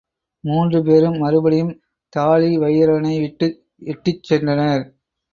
மூன்று பேரும் மறுபடியும் தாழிவயிறனை விட்டு எட்டிச் சென்றனர்.